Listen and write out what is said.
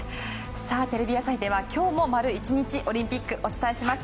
テレビ朝日では今日も丸１日オリンピック、お伝えします。